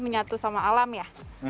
menyatu sama alam ya